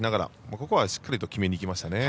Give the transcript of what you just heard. ここはしっかりと決めにいきましたね。